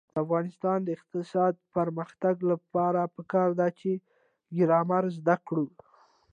د افغانستان د اقتصادي پرمختګ لپاره پکار ده چې ګرامر زده کړو.